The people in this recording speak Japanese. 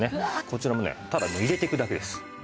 こちらもねただ入れていくだけです。